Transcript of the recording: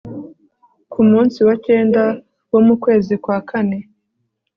Ku munsi wa cyenda wo mu kwezi kwa kane